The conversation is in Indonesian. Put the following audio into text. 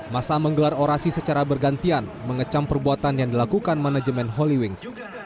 masa menggelar orasi secara bergantian mengecam perbuatan yang dilakukan manajemen holy wings